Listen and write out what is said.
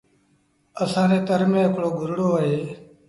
اَسآݩ ري تر ميݩ هڪڙو گرڙو اهي۔